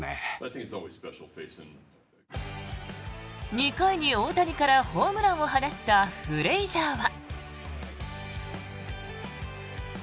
２回に大谷からホームランを放ったフレイジャーは。